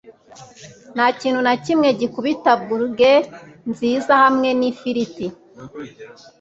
Ntakintu nakimwe gikubita burger nziza hamwe nifiriti.